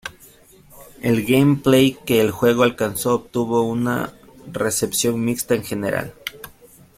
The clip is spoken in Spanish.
El "gameplay" que el juego alcanzó, obtuvo una recepción mixta en general.